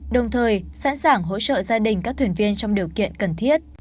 đồng thời sẵn sàng hỗ trợ gia đình các thuyền viên trong điều kiện cần thiết